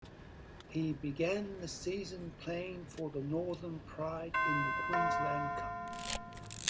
He began the season playing for the Northern Pride in the Queensland Cup.